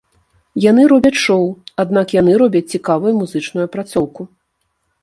Яны робяць шоу, аднак яны робяць цікавую музычную апрацоўку.